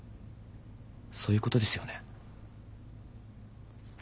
そういうことですよね？